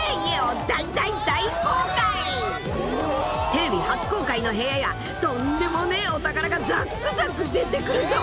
［テレビ初公開の部屋やとんでもねえお宝がざっくざく出てくるぞ！